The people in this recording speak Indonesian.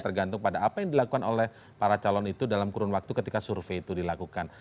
tergantung pada apa yang dilakukan oleh para calon itu dalam kurun waktu ketika survei itu dilakukan